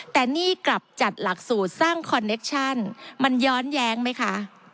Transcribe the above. แต่นี่กลับจัดหลักสูตรสร้างคอนเนคชั่นมันย้อนแย้งไหมคะ